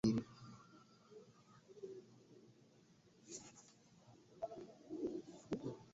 Tayari ilikuwa saa tis ana nusu alasiri